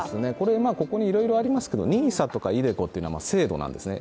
ここにいろいろありますけどＮＩＳＡとかｉＤｅＣｏは制度なんですね。